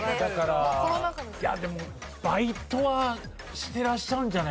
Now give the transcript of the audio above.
いやでもバイトはしてらっしゃるんじゃないかな？